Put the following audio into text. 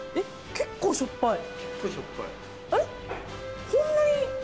結構しょっぱいあれ？